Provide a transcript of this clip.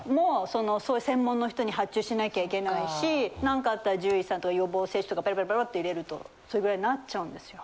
そのそういう専門の人に発注しなきゃいけないし何かあったら獣医さんとか予防接種とかペロペロって入れるとそれぐらいになっちゃうんですよ。